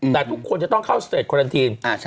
แต่ทุกคนจะต้องเข้าสเตรดควารันทีนอ่าใช่